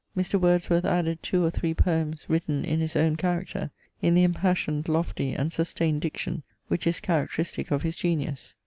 Mr. Wordsworth added two or three poems written in his own character, in the impassioned, lofty, and sustained diction, which is characteristic of his genius.